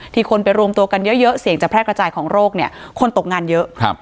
คนไปรวมตัวกันเยอะเยอะเสี่ยงจะแพร่กระจายของโรคเนี่ยคนตกงานเยอะครับ